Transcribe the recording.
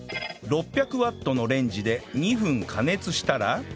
６００ワットのレンジで２分加熱したら